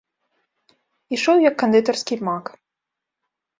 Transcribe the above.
Ішоў як кандытарскі мак.